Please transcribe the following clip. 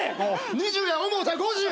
２０や思うたら５０。